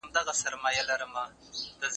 ګډ کمیسیونونه کله جوړیږي؟